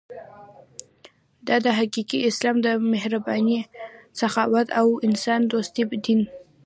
دا دی حقیقي اسلام د مهربانۍ، سخاوت او انسان دوستۍ دین.